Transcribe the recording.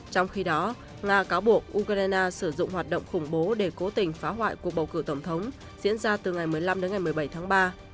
trong khi đó nga cáo buộc ukraine sử dụng hoạt động khủng bố để cố tình phá hoại cuộc bầu cử tổng thống diễn ra từ ngày một mươi năm đến ngày một mươi bảy tháng ba